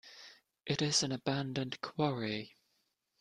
It is an abandoned Quarry.